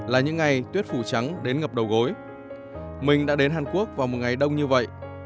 là những ngày tuyết phủ trắng đến ngập đầu gối mình đã đến hàn quốc vào một ngày đông như vậy